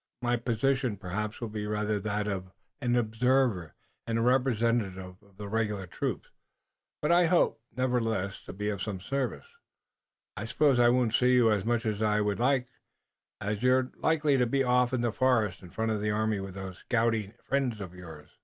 My position perhaps will be rather that of an observer and representative of the regular troops, but I hope, nevertheless, to be of some service. I suppose I won't see as much of you as I would like, as you're likely to be off in the forest in front of the army with those scouting friends of yours."